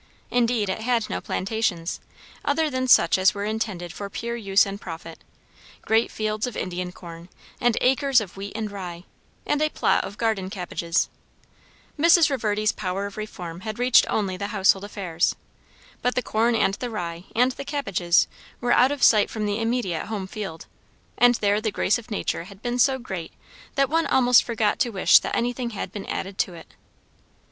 Indeed it had no plantations, other than such as were intended for pure use and profit; great fields of Indian corn, and acres of wheat and rye, and a plot of garden cabbages. Mrs. Reverdy's power of reform had reached only the household affairs. But the corn and the rye and the cabbages were out of sight from the immediate home field; and there the grace of nature had been so great that one almost forgot to wish that anything had been added to it.